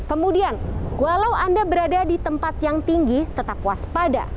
kemudian walau anda berada di tempat yang tinggi tetap waspada